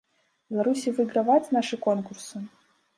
Беларусі выйграваць нашы конкурсы?